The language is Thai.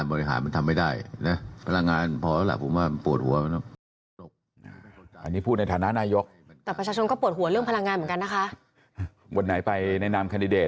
บทนายไปแนะนำคันเดด